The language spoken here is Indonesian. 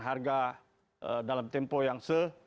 harga dalam tempo yang